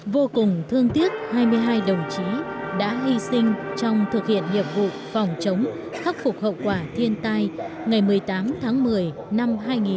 vô cùng thương tiếc hai mươi hai đồng chí đã hy sinh trong thực hiện nhiệm vụ phòng chống khắc phục hậu quả thiên tai ngày một mươi tám tháng một mươi năm hai nghìn một mươi chín